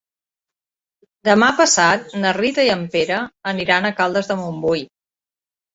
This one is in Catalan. Demà passat na Rita i en Pere aniran a Caldes de Montbui.